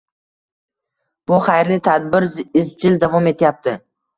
Bu xayrli tadbir izchil davom etyapti